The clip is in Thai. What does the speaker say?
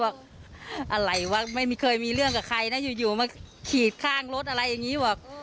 บอกว่าอะไรว่ะไม่เคยมีเรื่องกับใครอยู่มาขยีดข้างรถอะไรอย่างนี้